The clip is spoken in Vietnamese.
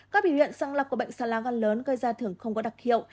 các biểu hiện sáng lập của bệnh sán lá gan lớn gây ra thường không có đặc hiệu